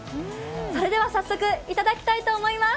それでは早速頂きたいと思います。